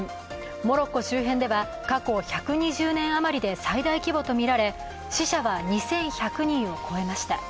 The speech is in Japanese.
モロッコ周辺では過去１２０年余りで最大規模とみられ死者は２１００人を超えました。